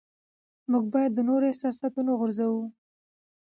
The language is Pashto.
موږ باید د نورو احساسات ونه ځورو